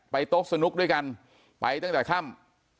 โต๊ะสนุกด้วยกันไปตั้งแต่ค่ำ